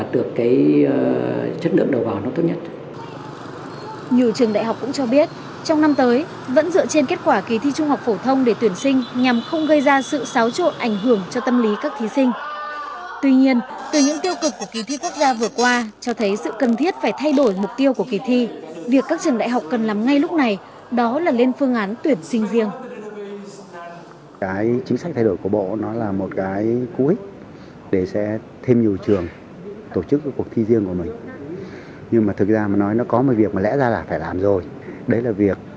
tuyển sinh dựa trên kết quả kỳ thi trung học phổ thông quốc gia